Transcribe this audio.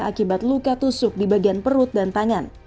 akibat luka tusuk di bagian perut dan tangan